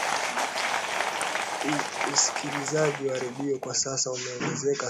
usikilizaji wa redio kwa sasa umeongezeka sana